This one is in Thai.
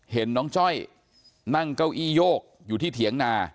เห็นน้องจ้อยนั่งเก้าอี้ยกอยู่ที่เถียงนา